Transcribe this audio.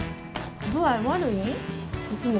具合悪いん？